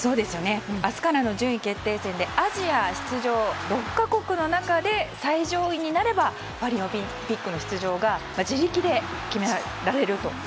明日からの順位決定戦でアジア出場６か国の中で最上位になればパリオリンピックの出場が自力で決められると。